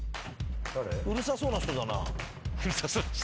うるさそうな人だな。